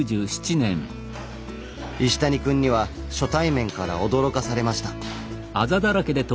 石谷くんには初対面から驚かされました。